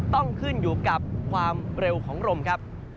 ต้องขึ้นอยู่กับความเร็วของลมครับ